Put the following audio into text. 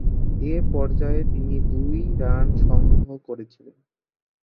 এ পর্যায়ে তিনি দুই রান সংগ্রহ করেছিলেন।